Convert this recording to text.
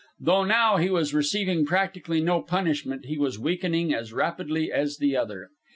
Though now he was receiving practically no punishment, he was weakening as rapidly as the other.